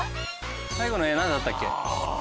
最後の絵何だったっけ？